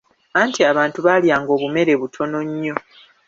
Anti abantu baalyanga obumere butono nnyo.